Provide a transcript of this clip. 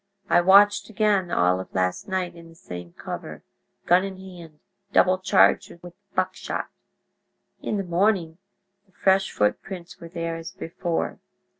I watched again all of last night in the same cover, gun in hand, double charged with buckshot. In the morning the fresh footprints were there, as before.